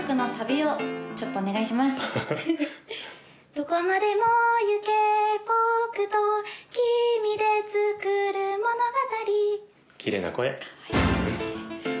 どこまでもいけぼくと君でつくる物語